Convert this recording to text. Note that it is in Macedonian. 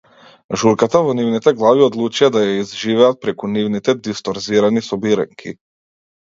Журката во нивните глави одлучија да ја изживеат преку нивните дисторзирани собиранки.